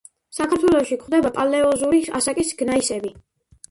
საქართველოში გვხვდება პალეოზოური ასაკის გნაისები.